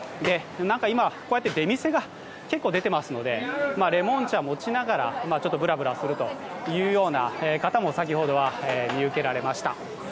今、出店が結構出ていますので、レモン茶を持ちながらぶらぶらするという方も先ほどは見受けられました。